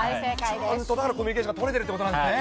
ちゃんとコミュニケーションが取れてるっていうことなんですね。